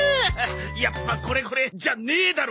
やっぱこれこれじゃねえだろ！